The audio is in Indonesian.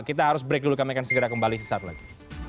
kita harus break dulu kami akan segera kembali sesaat lagi